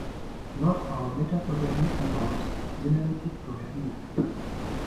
Not all metaprogramming involves generative programming.